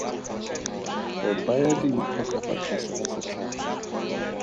Re baya dimpho ka fa tlase ga setlhare.